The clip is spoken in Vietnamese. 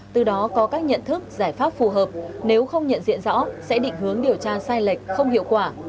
từ đó có các nhận thức giải pháp phù hợp nếu không nhận diện rõ sẽ định hướng điều tra sai lệch không hiệu quả